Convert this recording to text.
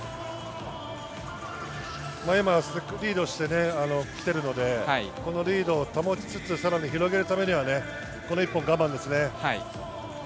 今リードしてきているので、リードを保ちつつさらに広げるためにはこの一本は我慢ですね。